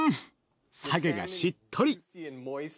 さけがしっとり！